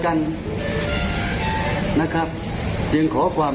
ถ้าทราบมาผมจะไปนั่นทำไม